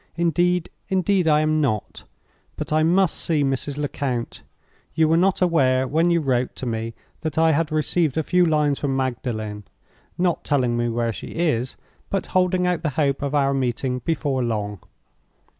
Indeed, indeed I am not! But I must see Mrs. Lecount. You were not aware when you wrote to me that I had received a few lines from Magdalen—not telling me where she is, but holding out the hope of our meeting before long.